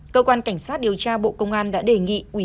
cơ quan cảnh sát điều tra bộ công an đã đề nghị